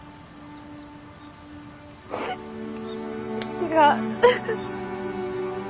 違う。